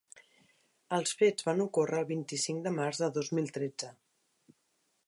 Els fets van ocórrer el vint-i-cinc de març de dos mil tretze.